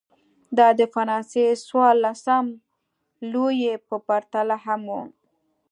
دا د فرانسې څوارلسم لويي په پرتله هم و.